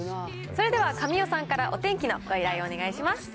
それでは神尾さんからお天気のご依頼をお願いします。